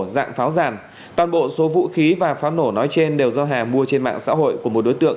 dạng pháo giảm toàn bộ số vũ khí và pháo nổ nói trên đều do hà mua trên mạng xã hội của một đối tượng